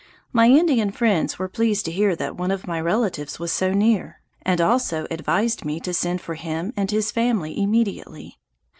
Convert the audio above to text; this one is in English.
My Indian friends were pleased to hear that one of my relatives was so near, and also advised me to send for him and his family immediately.